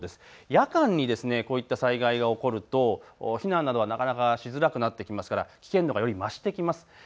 夜間にこういった災害が起こると避難などがなかなかしづらくなってきますから危険度がより増してきます。